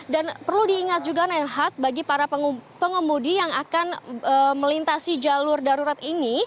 dan perlu diingat juga reinhardt bagi para pengemudi yang akan melintasi jalur darurat ini